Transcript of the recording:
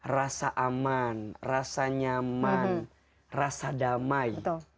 rasa aman rasa nyaman rasa damai